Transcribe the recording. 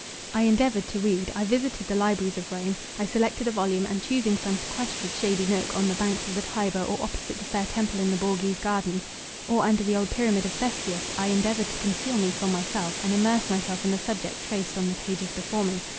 I endeavoured to read. I visited the libraries of Rome. I selected a volume, and, choosing some sequestered, shady nook, on the banks of the Tiber, or opposite the fair temple in the Borghese Gardens, or under the old pyramid of Cestius, I endeavoured to conceal me from myself, and immerse myself in the subject traced on the pages before me.